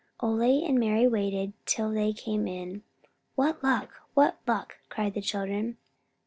Ole and Mari waited till they came in. "What luck, what luck?" cried the children.